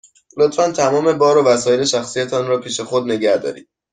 لطفاً تمام بار و وسایل شخصی تان را پیش خود نگه دارید.